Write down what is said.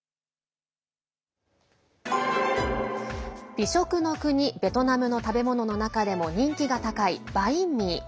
美食の国ベトナムの食べ物の中でも人気が高いバインミー。